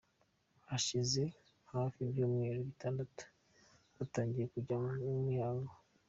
Hashize hafi ibyumweru bitandatu, yatangiye kujya mu mihango.